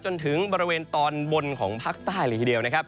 จนถึงบริเวณตอนบนของภาคใต้เลยทีเดียวนะครับ